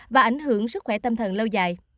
và ảnh hưởng sức khỏe tâm thần lâu dài